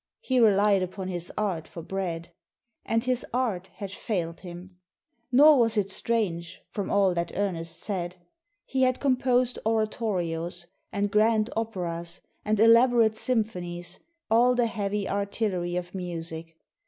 He relied upon his art for bread. And his art had failed him. Nor was it strange, from all that Ernest said. He had composed oratorios, and grand operas, and elaborate symphonies — all the heavy artillery of music.